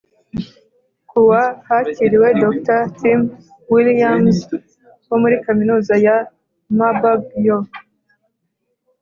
Kuwa hakiriwe Dr Tim Williams wo muri Kaminuza ya Marburg yo